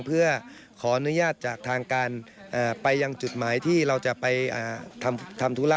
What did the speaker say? เพื่อขออนุญาตจากทางการไปยังจุดหมายที่เราจะไปทำธุระ